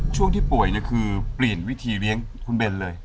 ช่วงที่ป่วยคือเปลี่ยนวิธีเลี้ยงคุณเบนเลย